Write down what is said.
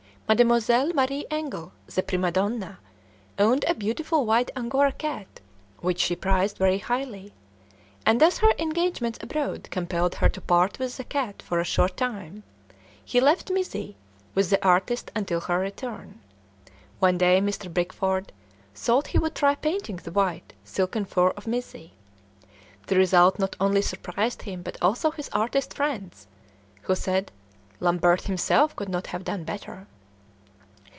Mademoiselle Marie Engle, the prima donna, owned a beautiful white Angora cat which she prized very highly, and as her engagements abroad compelled her to part with the cat for a short time, she left Mizzi with the artist until her return. One day Mr. Bickford thought he would try painting the white, silken fur of Mizzi: the result not only surprised him but also his artist friends, who said, "Lambert himself could not have done better."